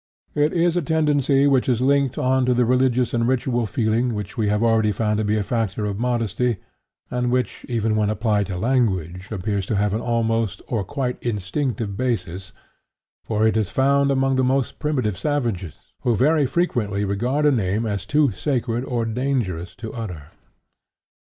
It is a tendency which is linked on to the religious and ritual feeling which we have already found to be a factor of modesty, and which, even when applied to language, appears to have an almost or quite instinctive basis, for it is found among the most primitive savages, who very frequently regard a name as too sacred or dangerous to utter.